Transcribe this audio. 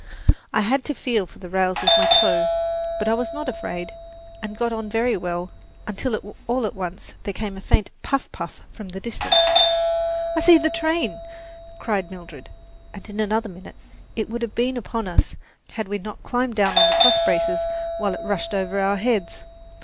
I had to feel for the rails with my toe; but I was not afraid, and got on very well, until all at once there came a faint "puff, puff" from the distance. "I see the train!" cried Mildred, and in another minute it would have been upon us had we not climbed down on the crossbraces while it rushed over our heads.